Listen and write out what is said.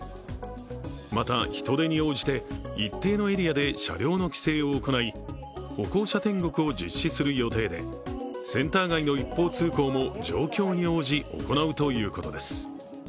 また、人出に応じて一定のエリアで車両の規制を行い歩行者天国を実施する予定で、センター街の一方通行も状況に応じ、行うということです。